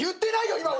今俺！